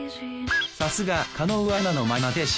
さすが狩野アナの愛弟子。